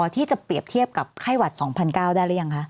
ที่จะเปรียบเทียบกับไข้หวัด๒๙๐๐ได้หรือยังคะ